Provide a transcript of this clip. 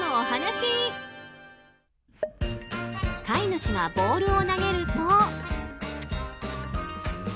飼い主がボールを投げると。